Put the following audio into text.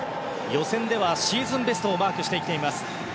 予選ではシーズンベストをマークしてきています。